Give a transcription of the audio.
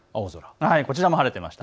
こちらも晴れていました。